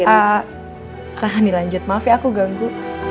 kak silahkan dilanjut maaf ya aku ganggu